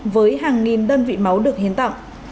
với hàng nghìn đơn vị máu được hiến tặng